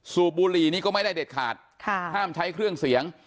สูบบุหรี่นี่ก็ไม่ได้เด็ดขาดห้ามใช้เครื่องเสียง